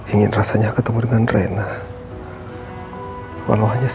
ingin rasanya ketemu dengan rena walau hanya sebentar